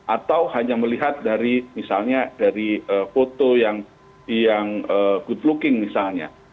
atau hanya melihat dari misalnya dari foto yang good looking misalnya